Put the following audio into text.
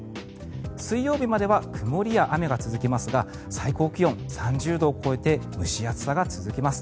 水曜日までは曇りや雨が続きますが最高気温３０度を超えて蒸し暑さが続きます。